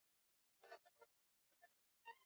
Kisiwa hiki kina hifadhi nyingi na misitu